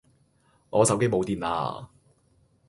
我手機冇電呀